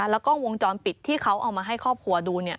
แล้วก็วงจรปิดที่เขาเอามาให้ครอบครัวดู